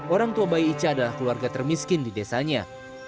orang tua bayi ica adalah keluarga termiskin di desanya